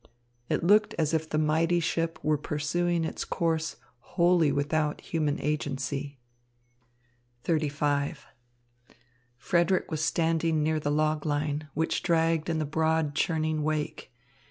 It looked as if the mighty ship were pursuing its course wholly without human agency. XXXV Frederick was standing near the log line, which dragged in the broad, churning wake.